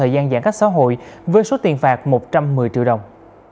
và giãn cách xã hội với số tiền phạt một trăm một mươi triệu đồng